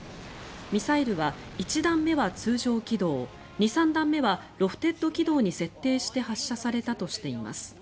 ミサイルは１段目は通常軌道２、３段目はロフテッド軌道に設定して発射されたとしています。